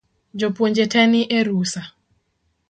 Jopuonje tee ni e rusa